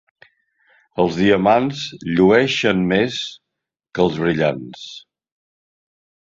Els diamants llueixen més que els brillants.